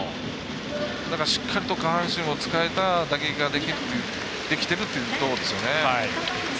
しっかりと下半身を使えた打撃ができているってことですね。